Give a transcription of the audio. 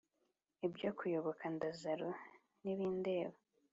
Ibyo kuyoboka Ndazaro ntibindeba